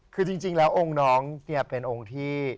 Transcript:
คือจริงแล้วองค์น้องเนี่ยเป็นองค์ที่